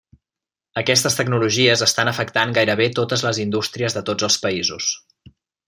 Aquestes tecnologies estan afectant gairebé totes les indústries de tots els països.